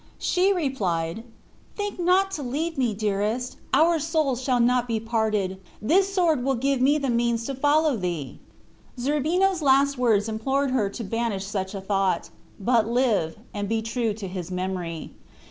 She replied, "Think not to leave me, dearest; our souls shall not be parted; this sword will give me the means to follow thee." Zerbino's last words implored her to banish such a thought, but live, and be true to his memory.